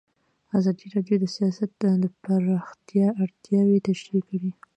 ازادي راډیو د سیاست د پراختیا اړتیاوې تشریح کړي.